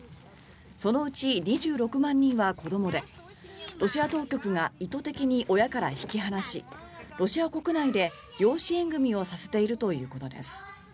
そのうち２６万人は子どもでロシア当局が意図的に親から引き離しロシア国内で養子縁組をさせているということです。